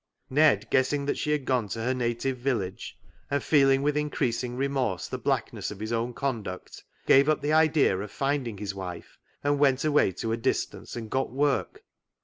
Ned guessing that she had gone to her native village, and feeling with in creasing remorse the blackness of his own conduct, gave up the idea of finding his wife and went away to a distance and got work.